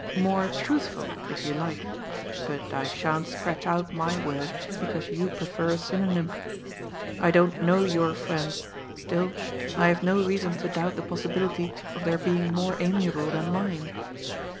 More truthful, if you like, but I sha'n't scratch out my word be 66 GOD'S FOOL. cause you prefer a synonym. I don't know your friendfl, still, I have no reason to doubt the possibility of their being more amiable than mine.